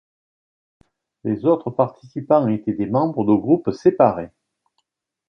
Les autres participants étaient des membres de groupes séparés.